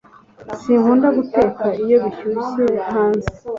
Sinkunda guteka iyo bishyushye hanze